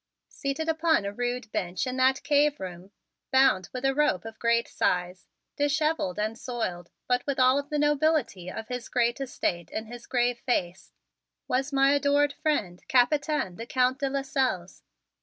Seated upon a rude bench in that cave room, bound with a rope of great size, disheveled and soiled, but with all of the nobility of his great estate in his grave face, was my adored friend, Capitaine, the Count de Lasselles!